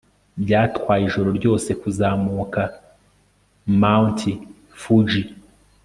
byatwaye ijoro ryose kuzamuka mt fuji